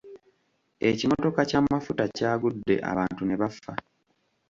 Ekimotoka ky'amafuta kyagudde abantu ne bafa.